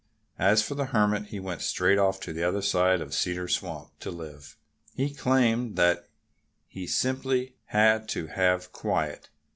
As for the Hermit, he went straight off to the other side of Cedar Swamp to live. He claimed that he simply had to have quiet.